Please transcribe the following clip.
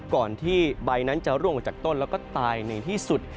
ก่อนที่ใบนั้นจะร่วงจากต้นแล้วก็ตายในที่สุด